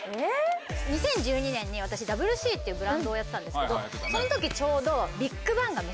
２０１２年に私ＷＣっていうブランドをやってたんですけどその時ちょうど。